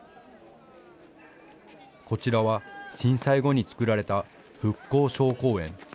こちらは震災後に作られた復興小公園。